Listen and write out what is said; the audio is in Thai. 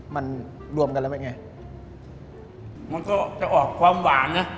มันรวมกันแล้วเป็นไงมันก็จะออกความหวานนะ